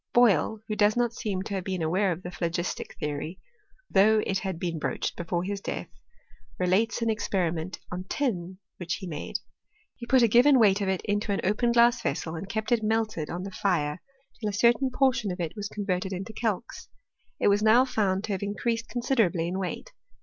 Boyle, who does not seem to have been aware of the phlogis tic theory, though it had been broached before his death, relates an experiment on tin which he made. He put a given weight of it into an open glass vessel, and kept it melted on the fire till a certain ^rtio\x ^ 262 ItlSTORY OP CHEMistRY. ft was converted into a calx : it Was now found to have increased considerably in Weight.